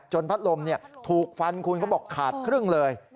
พัดลมถูกฟันคุณเขาบอกขาดครึ่งเลย